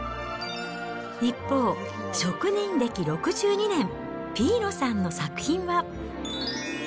一方、職人歴６２年、ピーノさんの作品は。